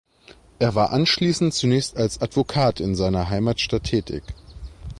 Er war anschließend zunächst als Advokat in seiner Heimatstadt tätig.